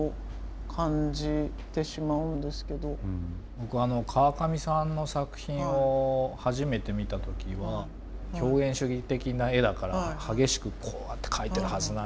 僕川上さんの作品を初めて見た時は表現主義的な絵だから激しくこうやって描いてるはずなんだ。